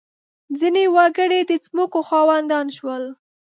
• ځینې وګړي د ځمکو خاوندان شول.